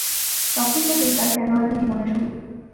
তখন থেকেই তার খেলোয়াড়ী জীবনের শুরু।